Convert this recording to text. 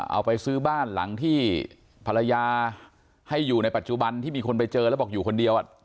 เอาไปซื้อบ้านหลังที่ภรรยาให้อยู่ในปัจจุบันที่มีคนไปเจอแล้วบอกอยู่คนเดียว